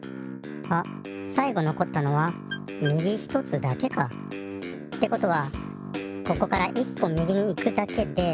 あっさい後のこったのはみぎ一つだけか。ってことはここから一歩みぎに行くだけで。